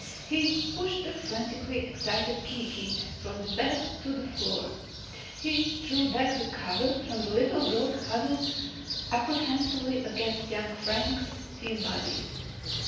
He pushed the frantically excited Kiki from the bed to the floor. He drew back the cover from the little dog huddled apprehensively against young Frank's thin body.